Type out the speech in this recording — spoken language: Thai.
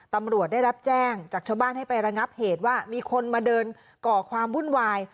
ตำรวจได้รับแจ้งจากชาวบ้านให้ไประงับเหตุว่ามีคนมาเดินก่อความวุ่นวาย